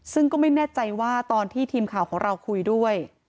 ซึ่งก็ไม่แน่ใจว่าตอนที่ทีมข่าวของเราคุยด้วย